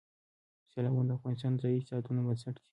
سیلابونه د افغانستان د ځایي اقتصادونو بنسټ دی.